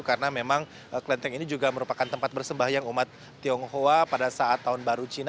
karena memang klenteng ini juga merupakan tempat bersembah yang umat tionghoa pada saat tahun baru cina